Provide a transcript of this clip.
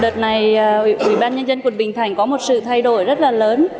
đợt này ủy ban nhân dân quận bình thạnh có một sự thay đổi rất là lớn